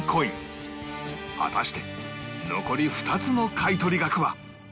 果たして残り２つの買取額は？